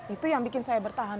itu yang bikin saya bertahan